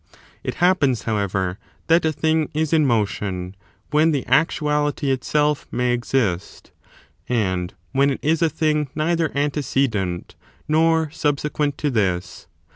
It happens, . however, that a thing is in motion when the actuality itself may exist, and when it is a thing neither antecedent nor subsequent to this.